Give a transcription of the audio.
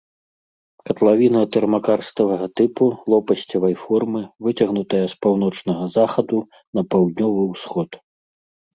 Катлавіна тэрмакарставага тыпу, лопасцевай формы, выцягнутая з паўночнага захаду на паўднёвы ўсход.